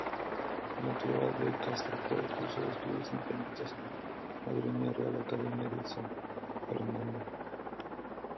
Natural de Castropol, cursó estudios independientes en la madrileña Real Academia de San Fernando.